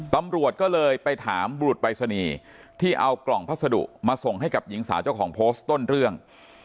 ตำรวจก็เลยไปถามบุรุษปรายศนีย์ที่เอากล่องพัสดุมาส่งให้กับหญิงสาวเจ้าของโพสต์ต้นเรื่อง